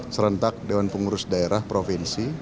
serentak dewan pengurus daerah provinsi